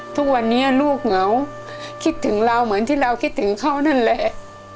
ทุกวันนี้ลูกเหงาคิดถึงเราเหมือนที่เราคิดถึงเขานั่นแหละ